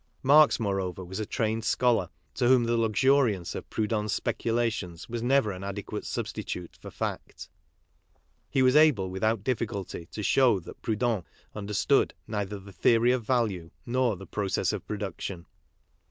Marx more over, was a trained scholar, to whom the luxuriance of Proudhon's speculations was never an adequate sub stitute for fact. He was able without difficulty to show that Proudhon understood neither the theory of value nor the process of production.